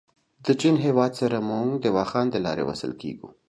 د چین هېواد سره موږ د واخان دلاري وصل کېږو.